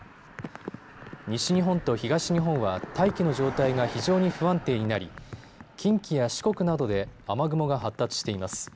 西日本と東日本は大気の状態が非常に不安定になり、近畿や四国などで雨雲が発達しています。